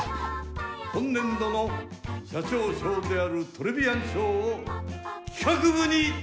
今年度の社長賞であるトレビアン賞を企画部に授与します。